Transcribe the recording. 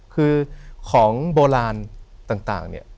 คือของโบราณต่าง